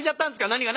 「何が？」。